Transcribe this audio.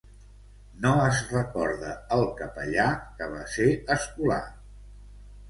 No es recorda el capellà que va ser escolà.